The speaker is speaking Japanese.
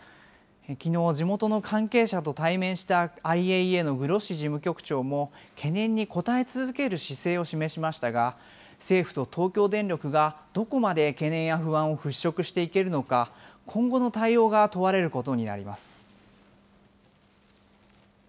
きのう、地元の関係者と対面したＩＡＥＡのグロッシ事務局長も、懸念に応え続ける姿勢を示しましたが、政府と東京電力がどこまで懸念や不安を払拭していけるのか、今後の対応が問われることになります。